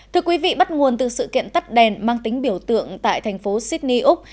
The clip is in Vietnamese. thưa quý vị bắt nguồn từ sự kiện tắt đèn mang tính biểu tượng tại thành phố sydney úc